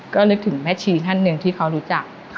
ก็นึกถึงแม่ชีท่านหนึ่งที่เขารู้จัก